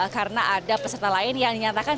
karena ada peserta lain yang menyatakan